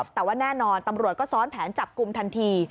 แต่ว่าแน่นอนตำรวจก็ซ้อนแผนจับกลุ่มทันที